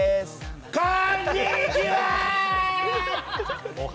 こんにちは！